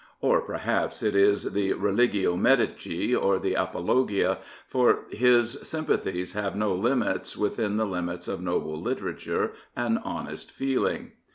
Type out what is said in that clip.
Or perhaps it is the Religio Medici or the Apologia, for his sympathies have no limits within the limits of noble literature and honest feeling.